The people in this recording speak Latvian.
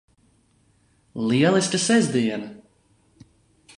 Lieliska sestdiena!